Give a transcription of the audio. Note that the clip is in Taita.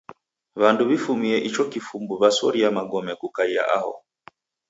W'andu w'ifumie icho kifumbu w'asoria magome kukaia aho.